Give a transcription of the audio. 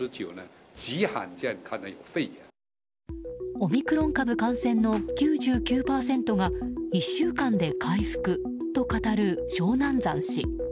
オミクロン株感染の９９％が１週間で回復と語るショウ・ナンザン氏。